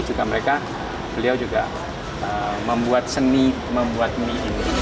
juga beliau membuat seni membuat mie ini